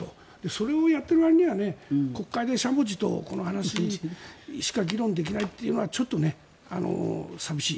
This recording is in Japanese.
それをやってもらうには国会でしゃもじとこの話しか議論できないというのはちょっと寂しい。